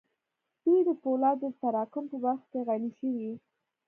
دوی د پولادو د تراکم په برخه کې غني شوې